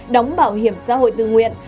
đóng bảo hiểm xã hội tư nguyện